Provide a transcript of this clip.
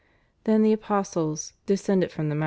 ^ Then the apostles "descended from » Heb.